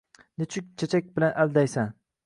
nechun chechak bilan aldaysan?